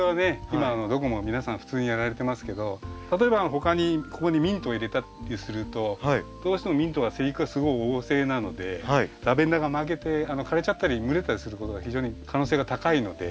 今どこも皆さん普通にやられてますけど例えば他にここにミントを入れたりするとどうしてもミントは生育がすごい旺盛なのでラベンダーが負けて枯れちゃったり蒸れたりすることが非常に可能性が高いので。